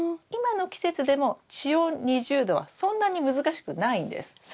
今の季節でも地温２０℃はそんなに難しくないんです。